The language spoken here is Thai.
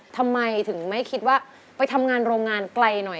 ทำไมถึงไม่คิดว่าไปทำงานโรงงานไกลหน่อย